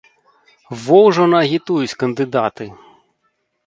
Во ўжо наагітуюць кандыдаты!